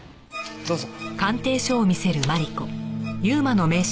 どうぞ。